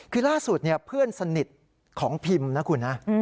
คือล่าสุดเพื่อนสนิทของพิมนะคุณนะ